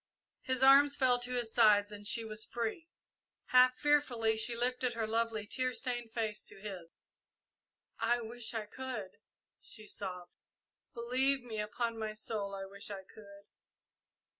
His arms fell to his sides and she was free. Half fearfully she lifted her lovely, tear stained face to his. "I wish I could!" she sobbed. "Believe me, upon my soul, I wish I could!"